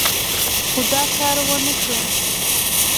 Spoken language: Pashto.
خو دا کار ونه شو.